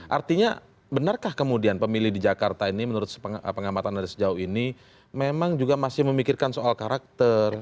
artinya benarkah kemudian pemilih di jakarta ini menurut pengamatan dari sejauh ini memang juga masih memikirkan soal karakter